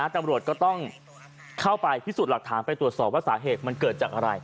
ตำรวจก็ต้องเข้าไปพิสูจน์หลักฐานไปตรวจสอบว่าสาเหตุมันเกิดจากอะไร